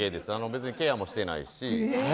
別にケアもしてないし。